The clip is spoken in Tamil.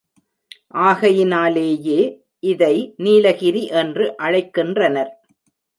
ஆகையினாலேயே இதை நீலகிரி என்று அழைக்கின்றனர்.